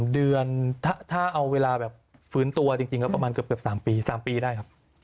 เดือนถ้าเอาเวลาแบบฟื้นตัวจริงก็ประมาณเกือบ๓ปี๓ปีได้ครับ